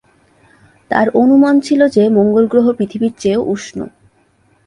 তাঁর অনুমান ছিল যে, মঙ্গল গ্রহ পৃথিবীর চেয়েও উষ্ণ।